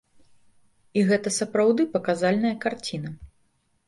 І гэта сапраўды паказальная карціна.